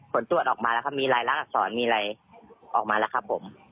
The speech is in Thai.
ผลตรวจออกมาแล้วครับมีรายลักษรมีอะไรออกมาแล้วครับผม